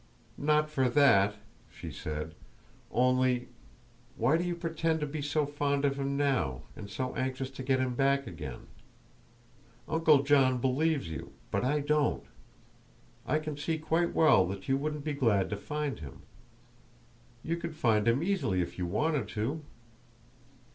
"Not for that," she said; "only, why do you pretend to be so fond of him now, and so anxious to get him back again? Uncle John believes you, but I don't. I can see quite well that you wouldn't be glad to find him. You could find him easily if you wanted to!"